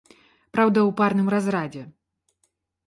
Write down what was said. Праўда, у парным разрадзе.